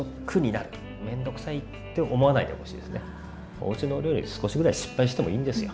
おうちのお料理は少しぐらい失敗してもいいんですよ。